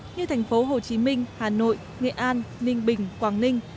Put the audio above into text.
như thành phố hồ chí minh hà nội nghệ an ninh bình quảng ninh